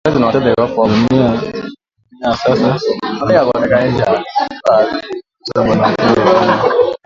Dunia ya sasa anakuwa ata baba na mtoto bana fanya ndowa